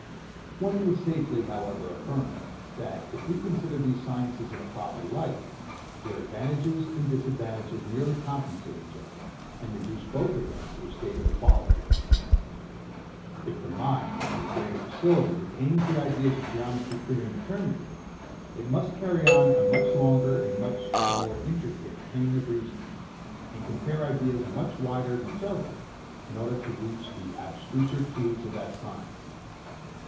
One may safely, however, affirm, that, if we consider these sciences in a proper light, their advantages and disadvantages nearly compensate each other, and reduce both of them to a state of equality. If the mind, with greater facility, retains the ideas of geometry clear and determinate, it must carry on a much longer and more intricate chain of reasoning, and compare ideas much wider of each other, in order to reach the abstruser truths of that science.